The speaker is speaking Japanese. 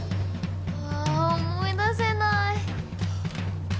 あ思い出せない。